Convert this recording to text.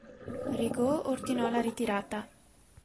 Rigaud ordinò la ritirata.